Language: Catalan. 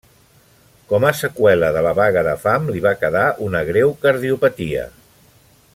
Com a seqüela de la vaga de fam, li va quedar una greu cardiopatia.